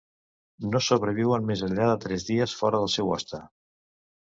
No sobreviuen més enllà de tres dies fora del seu hoste.